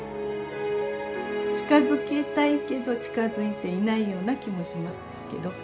近づけたいけど近づいていないような気もしますけど。